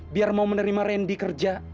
biar mau menerima randy kerja